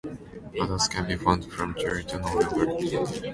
Adults can be found from July to November.